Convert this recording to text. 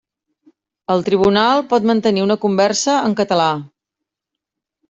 El tribunal pot mantenir una conversa en català.